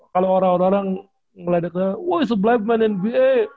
kalau orang orang ngeliatnya woy seblahnya pemain nba